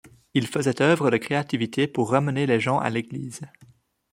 Il faisait œuvre de créativité pour ramener les gens à l'église.